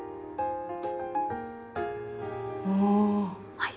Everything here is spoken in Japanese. はい。